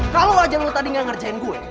kalau aja lo tadi gak ngerjain gue